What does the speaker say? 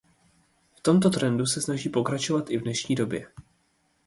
V tomto trendu se snaží pokračovat i v dnešní době.